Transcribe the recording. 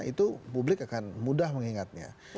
itu publik akan mudah mengingatnya